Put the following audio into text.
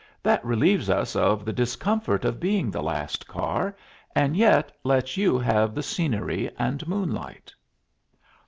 That relieves us of the discomfort of being the last car, and yet lets you have the scenery and moonlight."